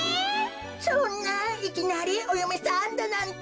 そんないきなりおよめさんだなんて。